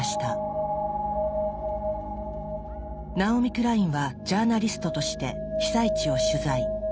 ナオミ・クラインはジャーナリストとして被災地を取材。